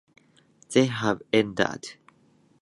They have endured.